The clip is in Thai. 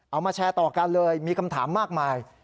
เอามาแชร์ต่อกันเลยมีคำถามมากมาย